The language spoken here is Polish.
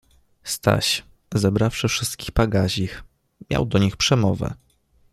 Staś, zebrawszy wszystkich pagazich, miał do nich przemowę.